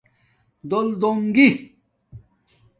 دولدُنگݵ